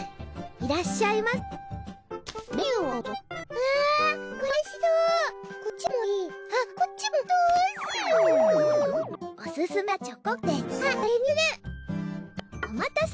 いらっしゃいませ。